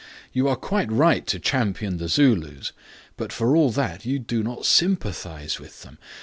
You are quite right to champion the Zulus, but for all that you do not sympathize with them.